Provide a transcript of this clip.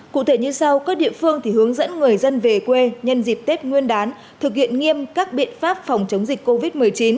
cụ thể như sau các địa phương thì hướng dẫn người dân về quê nhân dịp tết nguyên đán thực hiện nghiêm các biện pháp phòng chống dịch covid một mươi chín